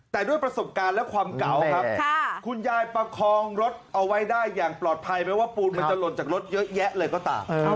แต่ด้วยประสบการณ์และความเก่าครับคุณยายประคองรถเอาไว้ได้อย่างปลอดภัยแม้ว่าปูนมันจะหล่นจากรถเยอะแยะเลยก็ตาม